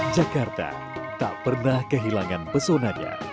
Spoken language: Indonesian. jakarta tak pernah kehilangan pesonanya